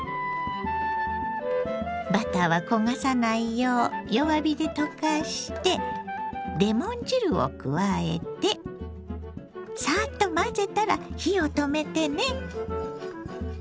バターは焦がさないよう弱火で溶かしてレモン汁を加えてさっと混ぜたら火を止めてね。